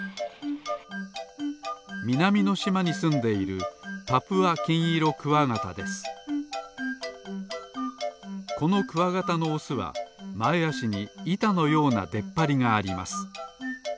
みなみのしまにすんでいるこのクワガタのオスはまえあしにいたのようなでっぱりがあります。